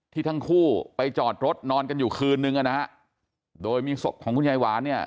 ทั้งคู่ไปจอดรถนอนกันอยู่คืนนึงอ่ะนะฮะโดยมีศพของคุณยายหวานเนี่ย